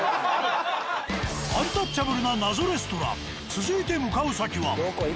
続いて向かう先は。